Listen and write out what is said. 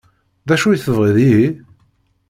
D acu i tebɣiḍ ihi?